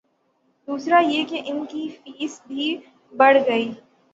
دوسرا یہ کہ ان کی فیس بھی بڑھ گئی۔